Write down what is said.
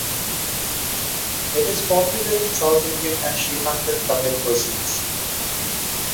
It is popular in South Indian and Sri Lankan Tamil cuisines.